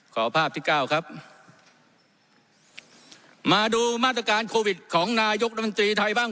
ขอภาพที่เก้าครับมาดูมาตรการโควิดของนายกรัฐมนตรีไทยบ้าง